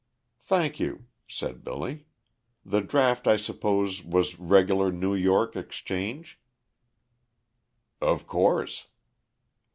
"Thank you," said Billy. "The draft, I suppose, was regular New York Exchange?" "Of course."